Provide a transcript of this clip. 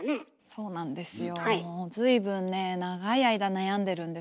そうなんですよ。